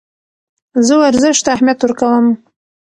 زه ورزش ته اهمیت ورکوم.